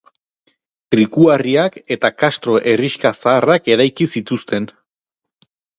Trikuharriak eta kastro herrixka zaharrak eraiki zituzten.